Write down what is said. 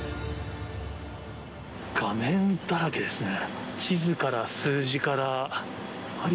画面だらけですね。